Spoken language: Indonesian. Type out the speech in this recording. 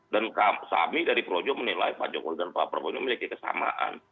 dan kami dari projo menilai pak jokowi dan pak prabowo ini memiliki kesamaan